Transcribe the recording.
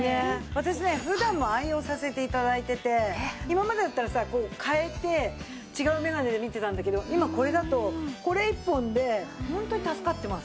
私ね普段も愛用させて頂いてて今までだったらさこう替えて違う眼鏡で見てたんだけど今これだとこれ１本でホントに助かってます。